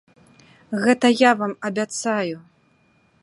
Гэта я вам абяцаю!